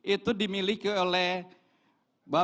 itu dimiliki oleh bapak